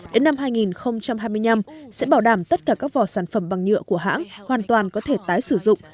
đến năm hai nghìn hai mươi năm sẽ bảo đảm tất cả các vỏ sản phẩm bằng nhựa của hãng hoàn toàn có thể tái sử dụng